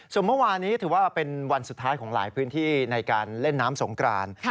ส่วนเมื่อวานี้ถือว่าเป็นวันสุดท้ายของหลายพื้นที่ในการเล่นน้ำสงกราน